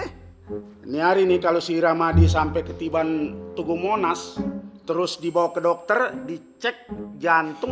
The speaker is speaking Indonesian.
ini hari ini kalau si ramadi sampai ketiban tugu monas terus dibawa ke dokter dicek jantung